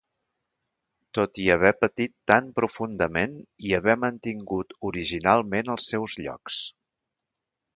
Tot i "haver patit tan profundament i haver mantingut originalment els seus llocs".